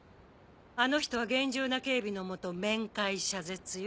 あの人は厳重な警備の下面会謝絶よ。